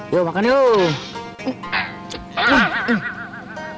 yuk makan yuk